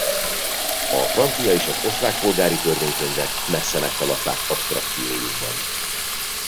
A francia és az osztrák polgári törvénykönyvek messze meghaladták absztrakciójukban.